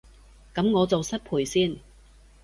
噉我就失陪先